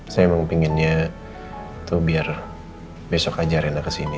saya emang pinginnya tuh biar besok aja reina kesini